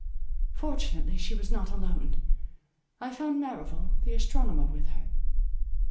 Fortunately she was not alone. I found Merrival, the astronomer, with her.